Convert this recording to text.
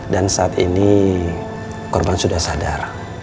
dan saat ini korban sudah sadar